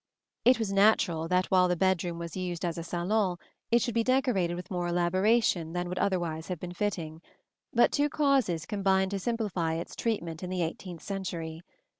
It was natural that while the bedroom was used as a salon it should be decorated with more elaboration than would otherwise have been fitting; but two causes combined to simplify its treatment in the eighteenth century.